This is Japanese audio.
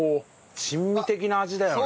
珍味的な味だよね。